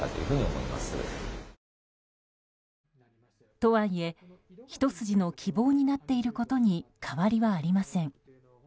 とはいえ、ひと筋の希望になっていることに変わりはありません。